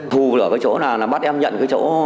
thù ở cái chỗ nào là bắt em nhận cái chỗ